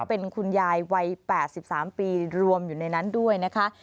เป็นคุณยายวัย๘๓ปีรวมอยู่ในนั้นด้วยนะคะ